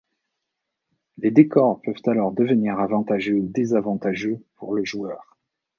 Les décors peuvent alors devenir avantageux ou désavantageux pour le joueur.